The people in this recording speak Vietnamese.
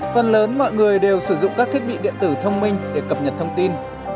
phần lớn mọi người đều sử dụng các thiết bị điện tử thông minh để cập nhật thông tin